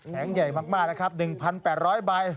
ใหญ่มากนะครับ๑๘๐๐ใบ